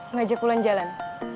ngajak pulang jalan